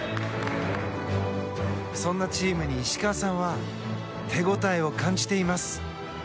そんなチームに石川さんは手応えを感じています。